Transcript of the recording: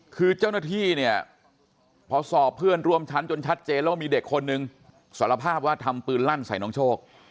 คือเจ้าหน้าที่เนี่ยพอสอบเพื่อนร่วมชั้นจนชัดเจนแล้วว่ามีเด็กคนนึงสารภาพว่าทำปืนลั่นใส่น้องโชค